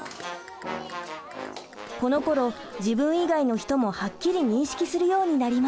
このころ自分以外の人もはっきり認識するようになります。